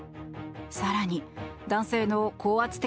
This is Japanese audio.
更に、男性の高圧的